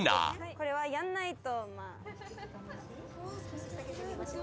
これはやんないと。